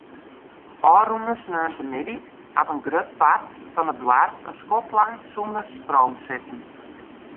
Ofrûne sneontemiddei hat in grut part fan it doarp in skoftlang sûnder stroom sitten.